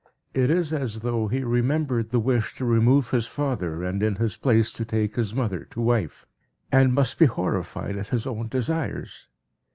It is as though he remembered the wish to remove his father, and in his place to take his mother to wife, and must be horrified at his own desires.